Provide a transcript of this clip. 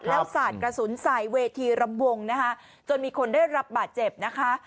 แล้วสาดกระสุนใส่เวทีรำวงนะคะจนมีคนได้รับบาดเจ็บนะคะ